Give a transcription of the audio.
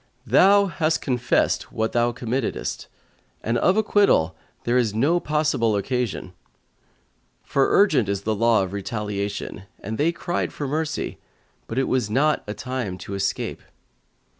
"Thou hast confessed what thou committedest, and of acquittal there is no possible occasion; for urgent is the law of retaliation and they cried for mercy but it was not a time to escape."